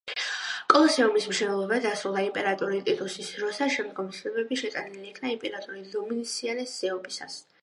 კოლოსეუმის მშენებლობა დასრულდა იმპერატორი ტიტუსის დროს და შემდგომი ცვლილებები შეტანილი იქნა იმპერატორი დომიციანეს ზეობისას.